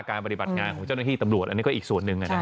ปฏิบัติงานของเจ้าหน้าที่ตำรวจอันนี้ก็อีกส่วนหนึ่ง